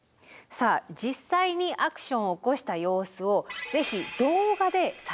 さあ実際にアクションを起こした様子をぜひ動画で撮影してみて下さい。